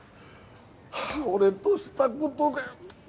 俺としたことが。